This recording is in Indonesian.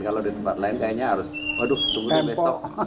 kalau di tempat lain kayaknya harus waduh tunggunya besok